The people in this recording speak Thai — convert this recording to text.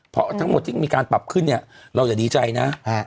เพราะทั้งหมดที่มีการปรับขึ้นเนี่ยเราอย่าดีใจนะ